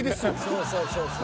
そうそうそうそう。